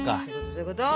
そういうこと！